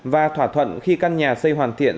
và thỏa thuận khi căn nhà xây hoàn thiện